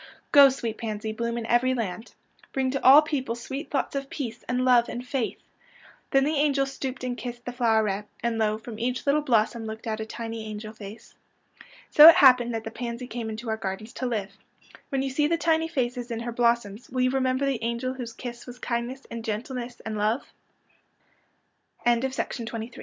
" Go, sweet pans}^, bloom in every land. Bring to all peojjle sweet thoughts of peace and love and faith." Then the angel stooped and kissed the floweret, and lo, from each little blossom looked out a tiny angel face. So it happened that the pansy came into our gardens to live. ^'\nien you see the tiny faces in her blossoms will you remember the angel whose kiss was kindness and gentleness and lo